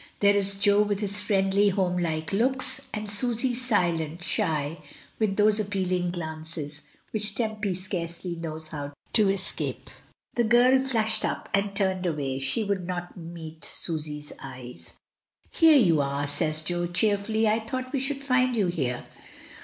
There is Jo with his friendly, home like looks, and Susy, silent, shy, with those appealing glances, which Tempy scarcely knows how to escape. The girl flushed up, and turned away; she would not meet Susy's eyes. "Here you are!" says Jo, cheerfully. "I thought we should find you here."